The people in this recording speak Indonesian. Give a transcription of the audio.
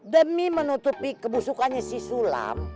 demi menutupi kebusukannya si sulam